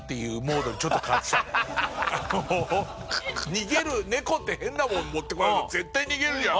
逃げる猫って変なもの持ってこられたら絶対逃げるじゃん。